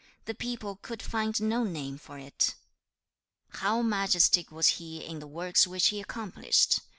The people could find no name for it. 2. 'How majestic was he in the works which he accomplished!